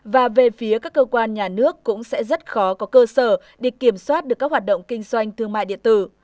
và về phía các cơ quan nhà nước cũng sẽ rất khó có cơ sở để kiểm soát được các hoạt động kinh doanh thương mại điện tử